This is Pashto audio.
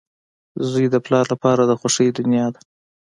• زوی د پلار لپاره د خوښۍ دنیا ده.